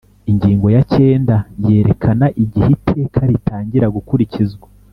Ingingo ya cyenda yerekana Igihe iteka ritangira gukurikizwa